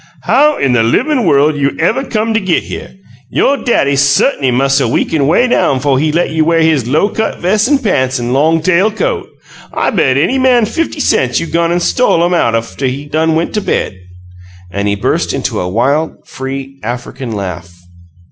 "How in the livin' worl' you evuh come to git here? You' daddy sut'ny mus' 'a' weakened 'way down 'fo' he let you wear his low cut ves' an' pants an' long tail coat! I bet any man fifty cents you gone an' stole 'em out aftuh he done went to bed!" And he burst into a wild, free African laugh.